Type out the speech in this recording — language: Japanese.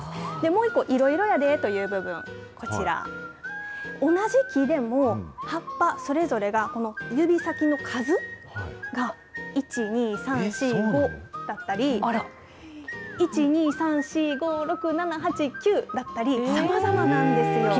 もう一個、いろいろやでという部分、こちら、同じ木でも、葉っぱそれぞれが、この指先の数、１、２、３、４、５だったり、１、２、３、４、５、６、７、８、９だった気にしたことなかった。